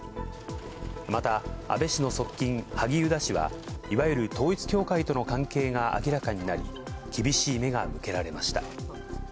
また、安倍氏の側近、萩生田氏は、いわゆる統一教会との関係が明らかになり、厳しい目が向けられました。